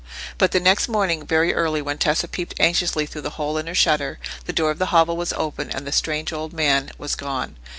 But the next morning, very early, when Tessa peeped anxiously through the hole in her shutter, the door of the hovel was open, and the strange old man was gone.